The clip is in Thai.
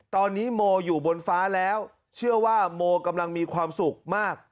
ตอนนี้โมอยู่บนฟ้าแล้วเชื่อว่าโมกำลังมีความสุขมาก